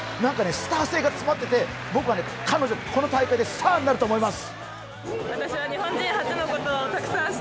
スター性が詰まってて、僕は彼女、この大会でスターになると思います。